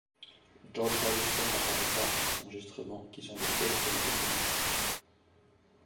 George Harrison n'apparaît pas dans ces enregistrements qui sont de piètre qualité sonore.